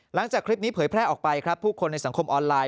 หลังจากคลิปนี้เผยแพร่ออกไปครับผู้คนในสังคมออนไลน